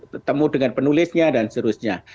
ketemu dengan penulisnya dan seterusnya